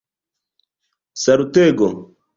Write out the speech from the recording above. salutego